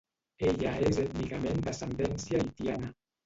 Ella és ètnicament d'ascendència haitiana.